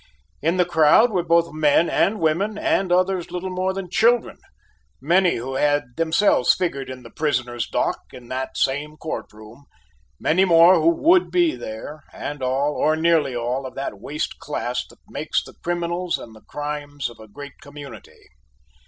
In the crowd were both men and women and others little more than children: many who had themselves figured in the prisoner's dock in that same court room: many more who would be there, and all, or nearly all, of that waste class that make the criminals and the crimes of a great community.